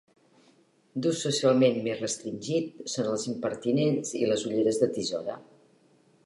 D'ús socialment més restringit són els impertinents i les ulleres de tisora.